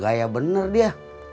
gaya bener dia